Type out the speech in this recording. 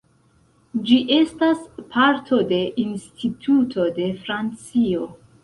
Ĝi estas parto de Instituto de Francio.